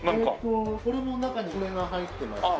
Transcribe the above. これも中に梅が入ってまして。